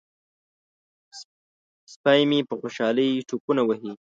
سپی مې په خوشحالۍ ټوپونه وهي.